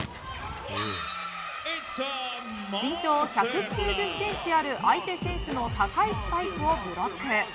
身長１９０ｃｍある相手選手の高いスパイクをブロック。